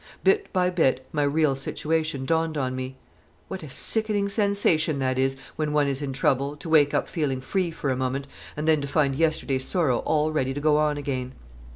Bit by bit my real situation dawned on me. 'What a sickening sensation that is, when one is in trouble, to wake up feeling free for a moment, and then to find yesterday's sorrow all ready to go on again!